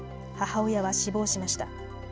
母親は死亡しました。